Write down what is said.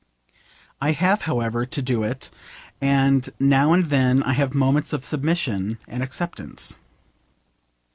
I have, however, to do it, and now and then I have moments of submission and acceptance.